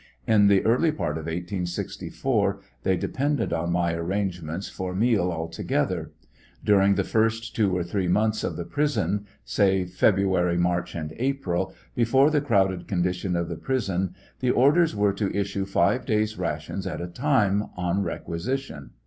In the early part of 1864, they depended on my arrangements for meal altogether, buringthe first two or three months of the prison, say February, March, and April, before the crowded condition of the prison, the orders were to issue five day's rations at a time, on 780 TRIAL OF HENRY WIRZ. requisition.